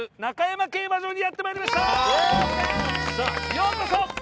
ようこそ！